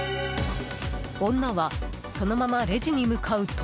女は、そのままレジに向かうと。